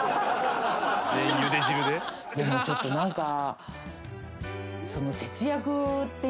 でもちょっと何か。